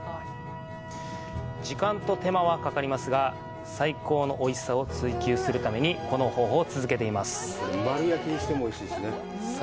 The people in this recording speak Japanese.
時間と手間はかかりますが、最高のおいしさを追求するためにこの方法を続けています。